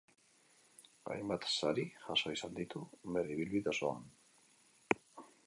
Hainbat sari jaso izan ditu bere ibilbide osoan.